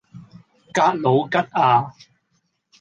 格鲁吉亞